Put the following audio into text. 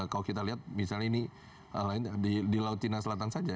kalau kita lihat misalnya ini di laut cina selatan saja